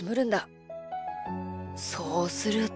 そうすると。